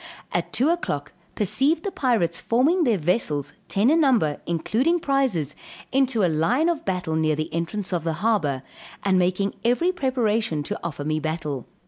At 2 o'clock, perceived the pirates forming their vessels, ten in number, including prizes, into a line of battle near the entrance of the harbor, and making every preparation to offer me battle.